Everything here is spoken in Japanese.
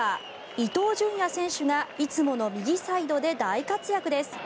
伊東純也選手がいつもの右サイドで大活躍です。